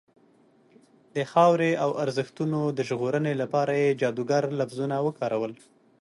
د خاورې او ارزښتونو د ژغورنې لپاره یې جادوګر لفظونه وکارول.